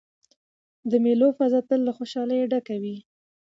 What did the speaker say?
د مېلو فضا تل له خوشحالۍ ډکه يي.